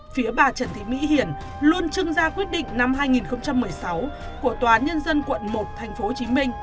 phía bà trần thị mỹ hiển luôn trưng ra quyết định năm hai nghìn một mươi sáu của tòa nhân dân quận một tp hcm